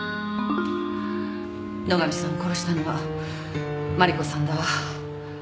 野上さん殺したのは麻里子さんだわ。